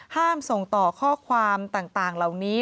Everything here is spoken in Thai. ส่งต่อข้อความต่างเหล่านี้